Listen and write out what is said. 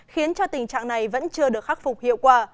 khiến cho tình trạng này vẫn chưa được khắc phục hiệu quả